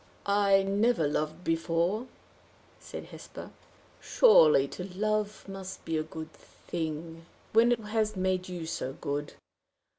"I never loved before," said Hesper. "Surely to love must be a good thing, when it has made you so good!